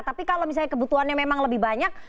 tapi kalau misalnya kebutuhannya memang lebih banyak